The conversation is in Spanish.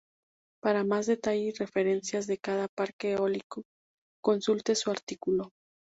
Para más detalles y referencias de cada parque eólico, consulte su artículo.